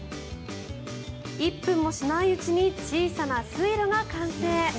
１分もしないうちに小さな水路が完成。